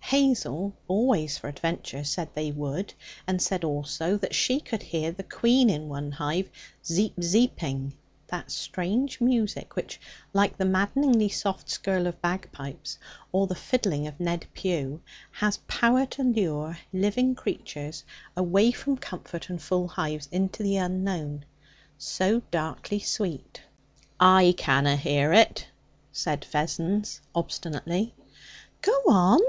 Hazel, always for adventure, said they would, and said also that she could hear the queen in one hive 'zeep zeeping' that strange music which, like the maddeningly soft skirl of bagpipes or the fiddling of Ned Pugh, has power to lure living creatures away from comfort and full hives into the unknown so darkly sweet. 'I canna hear it,' said Vessons obstinately. 'Go on!